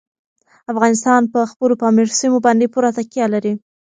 افغانستان په خپلو پامیر سیمو باندې پوره تکیه لري.